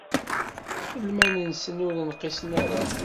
Lmal-nsen ur inqis ara.